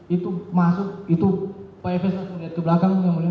itu masuk itu pak efes langsung lihat ke belakang